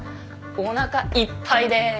おなかいっぱいです。